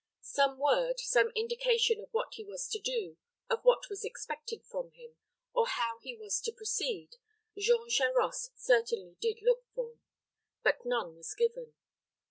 Some word, some indication of what he was to do, of what was expected from him, or how he was to proceed, Jean Charost certainly did look for. But none was given.